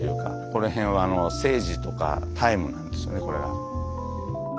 この辺はセージとかタイムなんですよねこれが。